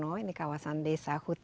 nah ini mungkin sudah cukup